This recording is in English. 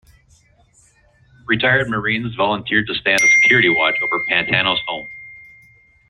Retired Marines volunteered to stand a security watch over Pantano's home.